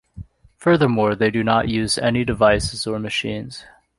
Furthermore, they do not use any devices or machines.